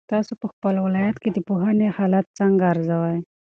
تاسو په خپل ولایت کې د پوهنې حالت څنګه ارزوئ؟